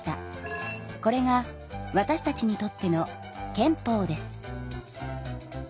これがわたしたちにとっての憲法です。